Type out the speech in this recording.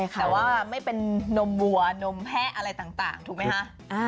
ก็ไม่เป็นนมหัวนมแพ้อะไรต่างถูกไหมฮะ